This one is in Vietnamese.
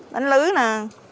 đánh lưới nè